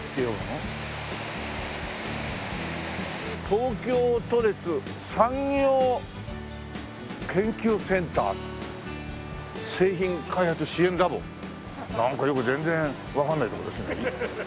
「東京都立産業研究センター」「製品開発支援ラボ」なんかよく全然わからないとこですね。